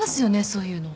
そういうの。